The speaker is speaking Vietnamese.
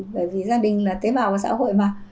bởi vì gia đình là tế bào của xã hội mà